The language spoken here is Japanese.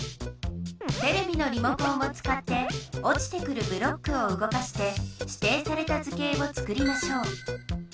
テレビのリモコンを使っておちてくるブロックをうごかして指定された図形を作りましょう。